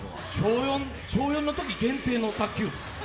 小４のとき限定の卓球？